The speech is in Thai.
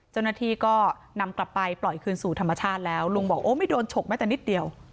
เจ้าหน้าที่ก็นำกลับไปปล่อยคืนสู่ธรรมชาติแล้วลุงบอกโอ้ไม่โดนฉกแม้แต่นิดเดียว